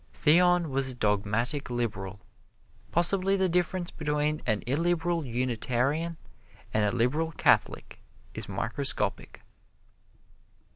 Theon was a dogmatic liberal. Possibly the difference between an illiberal Unitarian and a liberal Catholic is microscopic.